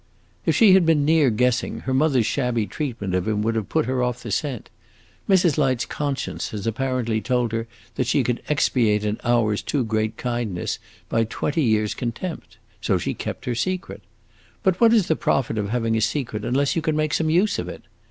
"If she had been near guessing, her mother's shabby treatment of him would have put her off the scent. Mrs. Light's conscience has apparently told her that she could expiate an hour's too great kindness by twenty years' contempt. So she kept her secret. But what is the profit of having a secret unless you can make some use of it?